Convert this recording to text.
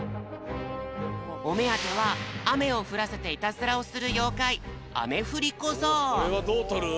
おめあてはあめをふらせてイタズラをするようかいこれはどうとる？